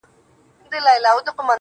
څه عجيبه شان سيتار کي يې ويده کړم~